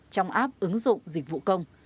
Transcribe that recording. trong app ứng dụng dịch vụ công